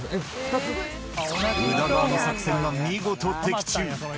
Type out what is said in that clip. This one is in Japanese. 宇田川の作戦は見事的中。